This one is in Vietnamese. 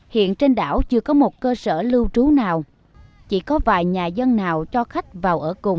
hiện trên đảo chưa có một cơ sở lưu trú nào chỉ có vài nhà dân nào cho khách vào ở cùng